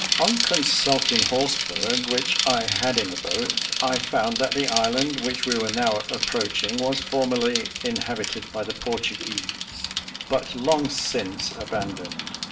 On consulting Horseberg, which I had in the boat, I found that the island which we were now approaching was formerly inhabited by the Portuguese, but long since abandoned.